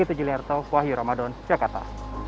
itu saja yang saya inginkan selamat menikmati